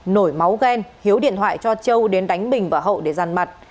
nổi máu ghen hiếu điện thoại cho châu đến đánh bình và hậu để ràn mặt